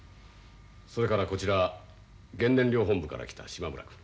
それからこちら原燃料本部から来た島村君。